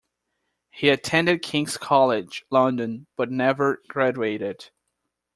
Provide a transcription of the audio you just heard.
He attended King's College London but never graduated.